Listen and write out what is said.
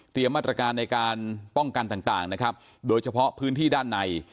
มาตรการในการป้องกันต่างนะครับโดยเฉพาะพื้นที่ด้านใน